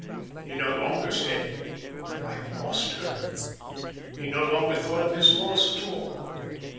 He no longer said, "I have lost her," he no longer thought of his loss at all.